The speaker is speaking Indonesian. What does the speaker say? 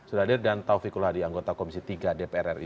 sudah hadir dan taufikul hadi anggota komisi tiga dpr ri